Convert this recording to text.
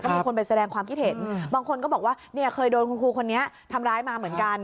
มีคนไปแสดงความคิดเห็นบางคนก็บอกว่าเนี่ยเคยโดนคุณครูคนนี้ทำร้ายมาเหมือนกัน